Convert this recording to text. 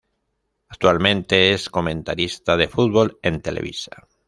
Actualmente es comentarista de fútbol en Televisa.